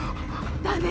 だね。